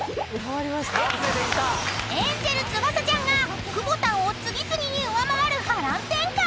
［エンジェル翼ちゃんがくぼたんを次々に上回る波乱展開⁉］